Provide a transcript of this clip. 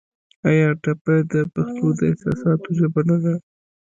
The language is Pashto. آیا ټپه د پښتو د احساساتو ژبه نه ده؟